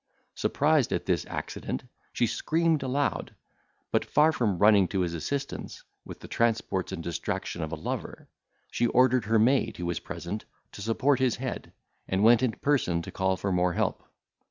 Surprised at this accident, she screamed aloud, but far from running to his assistance, with the transports and distraction of a lover, she ordered her maid, who was present, to support his head, and went in person to call for more help.